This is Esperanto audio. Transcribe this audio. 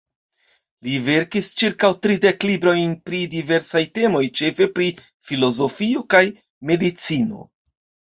Li verkis ĉirkaŭ tridek librojn pri diversaj temoj, ĉefe pri filozofio kaj medicino.